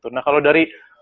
nah kalau dari